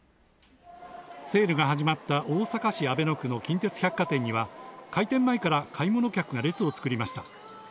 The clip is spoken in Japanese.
セールが始まった大阪市阿倍野区の近鉄百貨店には、開店前から買い物客が列を作りました。